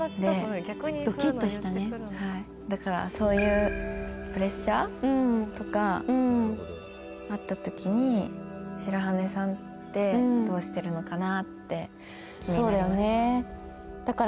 ドキッとしたねはいだからそういうプレッシャー？とかうんあった時に白羽さんってどうしてるのかなって気になりましたそうだよね